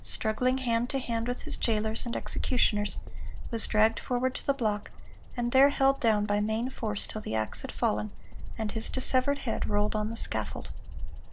struggling hand to hand with his jailers and executioners, was dragged forward to the block, and there held down by main force till the axe had fallen, and his dissevered head rolled on the scaffold."